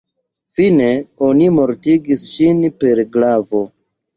Fine, oni mortigis ŝin per glavo.